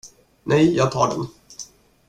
Nej, jag tar den.